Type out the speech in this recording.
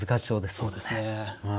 そうですね。